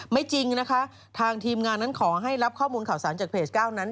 จริงนะคะทางทีมงานนั้นขอให้รับข้อมูลข่าวสารจากเพจ๙นั้น